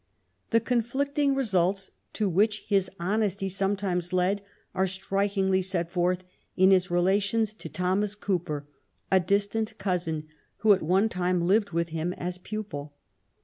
The conflicting results to which his honesty sometimes led are strikingly set forth in his relations to Thomas Cooper^ a distant cousin^ who at one time lived with ]iim as pupil.